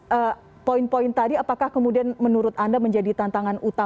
saya ke pak agus pak agus poin poin tadi apakah kemudian menurut anda menarik kegiatan yang akan berlaku di tni